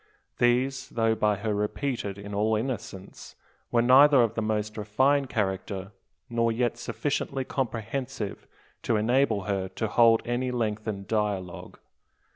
These, though by her repeated in all innocence, were neither of the most refined character, nor yet sufficiently comprehensive to enable her to hold any lengthened dialogue.